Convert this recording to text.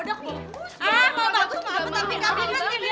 tapi kami kan lebih paham bagus juga